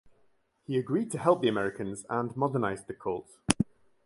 He agreed to help the Americans and modernised the cult.